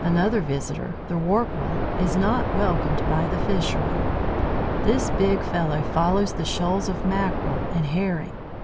Another visitor, the Rorqual, is not welcomed by the fishermen. This big fellow follows the shoals of Mackerel and Herring.